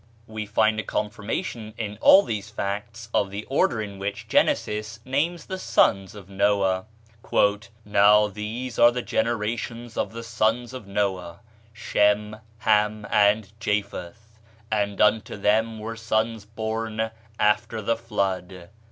We find a confirmation in all these facts of the order in which Genesis names the sons of Noah: "Now these are the generations of the sons of Noah: Shem, Ham, and Japheth, and unto them were sons born after the flood."